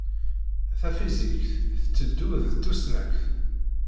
Tafizikt tetteddu ad tusnakt.